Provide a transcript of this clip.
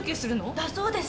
だそうです。